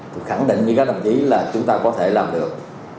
tôi khẳng định với các đồng chí là chúng ta có thể làm được